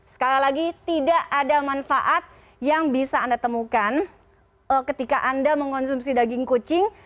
sekali lagi tidak ada manfaat yang bisa anda temukan ketika anda mengonsumsi daging kucing